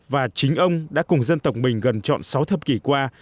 và chính ông đã cùng dân tộc mình gần chọn sáu thập kỷ qua